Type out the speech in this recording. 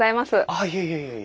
あいえいえいえいえ。